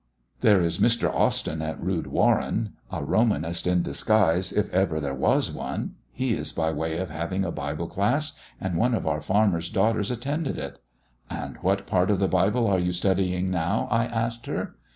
There is Mr. Austin at Rood Warren, a Romanist in disguise if ever there was one: he is by way of having a Bible class, and one of our farmers' daughters attended it. 'And what part of the Bible are you studying now?' I asked her.